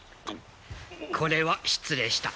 これは失礼した。